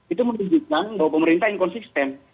itu menunjukkan bahwa pemerintah inkonsisten